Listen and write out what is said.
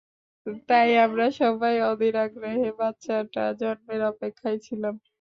তাই আমরা সবাই অধীর আগ্রহে বাচ্ছাটা জন্মের অপেক্ষায় ছিলাম।